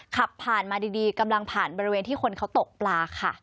ขับผ่านมาดีกำลังผ่านบริเวณที่คนเขาตกปลาค่ะ